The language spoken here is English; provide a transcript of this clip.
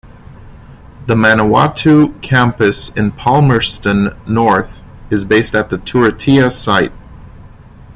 The Manawatu campus in Palmerston North is based at the Turitea site.